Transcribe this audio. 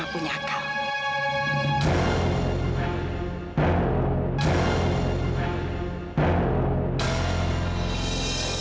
ibu punya akal